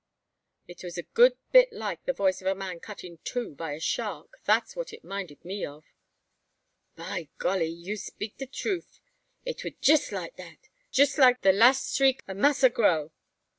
"It was a good bit like the voice of a man cut in two by a shark. That's what it minded me of." "By golly! you speak de troof. It wa jess like that, jess like the lass s'riek ob Massa Grow."